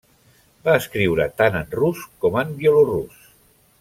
Va escriure tant en rus com en bielorús.